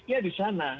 triknya di sana